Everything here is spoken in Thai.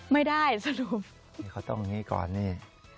ไม่ได้สรุปนี่เขาต้องอย่างนี้ก่อนนี่